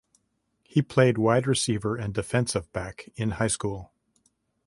He played wide receiver and defensive back in high school.